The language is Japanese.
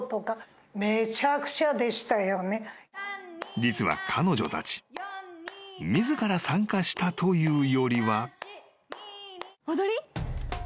［実は彼女たち自ら参加したというよりは］